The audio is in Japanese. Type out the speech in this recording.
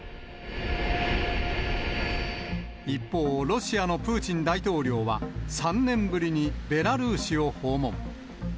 一方、ロシアのプーチン大統領は、３年ぶりにベラルーシを訪問。